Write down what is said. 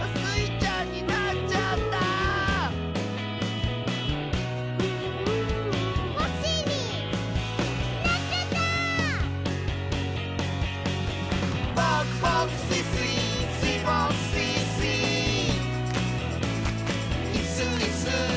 ちゃんになっちゃった」「コッシーになっちゃった」「ボクボクスイスイスイボクスイスイ」「イスイス」